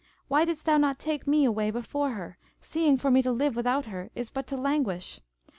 Why didst thou not take me away before her, seeing for me to live without her is but to languish?